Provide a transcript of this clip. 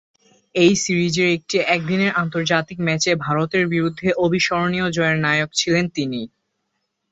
এই সিরিজের একটি একদিনের আন্তর্জাতিক ম্যাচে ভারতের বিরুদ্ধে অবিস্মরণীয় জয়ের নায়ক ছিলেন তিনি।